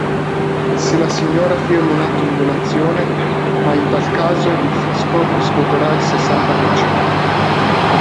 Se la signora firma un atto di donazione, ma in tal caso il fisco riscuoterà il sessanta per cento.